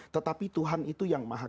tetapi tuhan itu yang maha